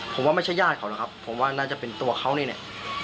ผมว่าไม่ใช่ญาติเขานะครับผมว่าน่าจะเป็นตัวเขานี่แหละ